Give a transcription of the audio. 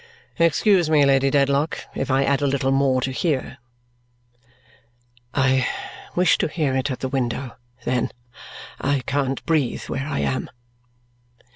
"Excuse me, Lady Dedlock, if I add a little more to hear." "I wish to hear it at the window, then. I can't breathe where I am."